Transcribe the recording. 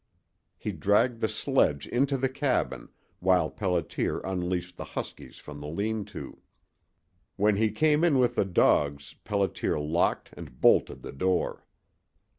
He dragged the sledge into the cabin while Pelliter unleashed the huskies from the lean to. When he came in with the dogs Pelliter locked and bolted the door.